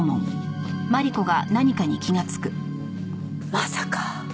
まさか。